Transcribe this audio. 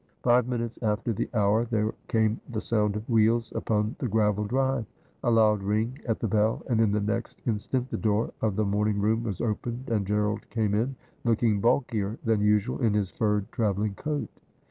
257 Five minutes after the hour there came the sound of wheels upon the gravel drive, a loud ring at the bell, and in the next instant the door of the morning room was opened, and G erald came in, looking bulkier than usual in his furred travelling coat.